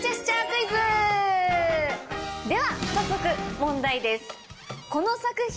では早速問題です。